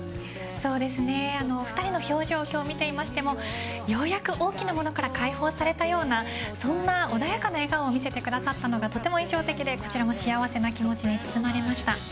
そうですね２人の表情を見ていましてもようやく大きなものから解放されたようなそんな穏やかな笑顔を見せてくださったのがとても印象的でこちらも幸せな気持ちに包まれました。